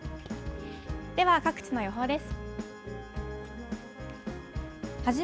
では各地の予報です。